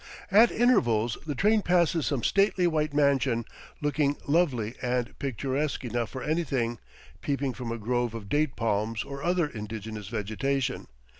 At intervals the train passes some stately white mansion, looking lovely and picturesque enough for anything, peeping from a grove of date palms or other indigenous vegetation.